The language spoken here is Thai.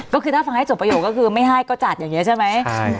ก็คือถ้าฟังให้จบประโยคก็คือไม่ให้ก็จัดอย่างนี้ใช่ไหม